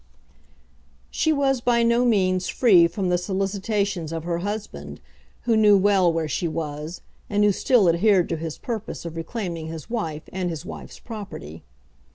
She was by no means free from the solicitations of her husband, who knew well where she was, and who still adhered to his purpose of reclaiming his wife and his wife's property.